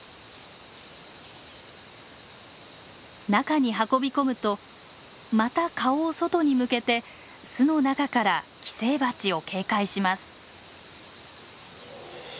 中に運び込むとまた顔を外に向けて巣の中から寄生バチを警戒します。